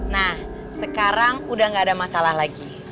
nah sekarang udah gak ada masalah lagi